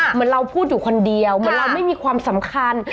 เหมือนเราพูดอยู่คนเดียวเหมือนเราไม่มีความสำคัญ